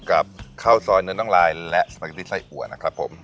กับข้าวซอยเนื้อน้องลายและสปาเกตตี้ไส้อัวนะครับผม